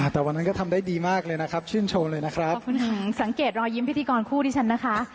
ทำเต็มที่ที่สุดนะครับขอบคุณค่ะสังเกตรอยิ้มพี่ดีกรคู่ที่ชั้นนะคะ